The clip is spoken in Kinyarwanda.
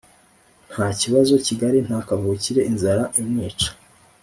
ntibaziko kigali nta kavukire inzara imwica